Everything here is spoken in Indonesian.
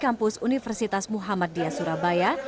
kampus universitas muhammad dias surabaya